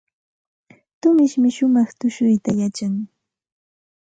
Tumishmi shumaq tushuyta yachan.